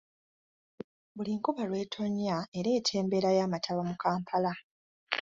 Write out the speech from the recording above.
Buli nkuba lw’etonnya ereeta embeera y’amataba mu Kampala.